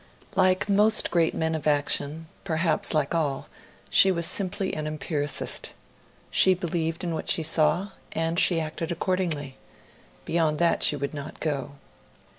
Like most great men of action perhaps like all she was simply an empiricist. She believed in what she saw, and she acted accordingly; beyond that she would not go.